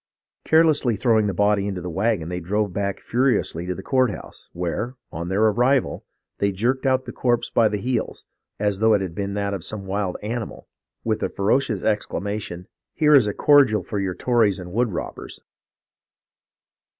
Carelessly throwing the body into the wagon they drove back furi ously to the courthouse, where, on their arrival they jerked out the corpse by the heels, as though it had been that of some wild animal, with the ferocious exclamation, 'Here is a cordial for your Tories and wood robbers.'